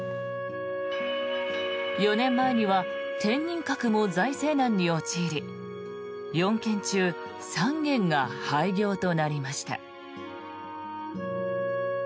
４年前には天人閣も財政難に陥り４軒中３軒が廃業となりました。